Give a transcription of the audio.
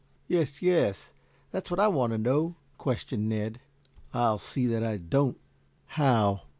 "Yes, yes, that's what I want to know?" questioned Ned. "I'll see that I don't." "How?"